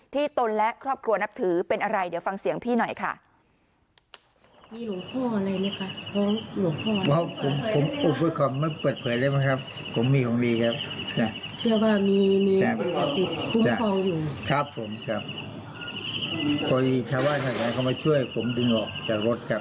ตนและครอบครัวนับถือเป็นอะไรเดี๋ยวฟังเสียงพี่หน่อยค่ะ